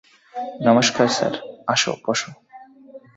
নমষ্কার sir -আসো, বসো।